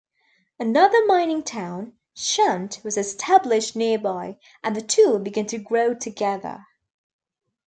Another mining town, Chant, was established nearby, and the two began to grow together.